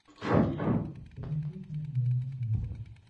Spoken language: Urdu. سختی سے مذمت ہوئی ہے